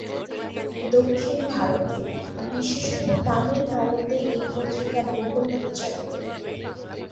দক্ষিণ ভারতে, বিশেষত তামিলনাড়ুতে এই পত্রিকা বহুল প্রচারিত।